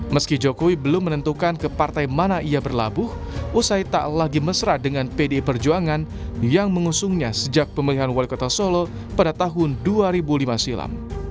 meski jokowi belum menentukan ke partai mana ia berlabuh usai tak lagi mesra dengan pdi perjuangan yang mengusungnya sejak pemilihan wali kota solo pada tahun dua ribu lima silam